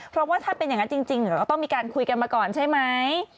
เพราะว่าถ้าเป็นอย่างนั้นจริงเราก็ต้องมีการคุยกันมาก่อนใช่ไหม